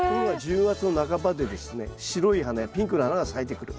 １０月の半ばでですね白い花やピンクの花が咲いてくる。